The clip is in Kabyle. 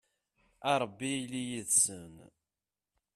a rebbi ili yid-sen